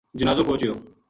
جنازو پوہچیو